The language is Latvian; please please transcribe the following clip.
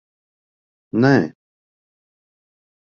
Nē.